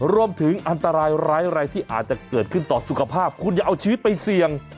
อันตรายร้ายแรงที่อาจจะเกิดขึ้นต่อสุขภาพคุณอย่าเอาชีวิตไปเสี่ยง